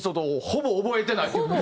ほぼ覚えてないですね。